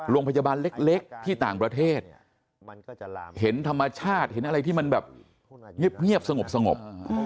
โรงพยาบาลเล็กที่ต่างประเทศเห็นธรรมชาติเห็นอะไรที่มันแบบเงียบสงบ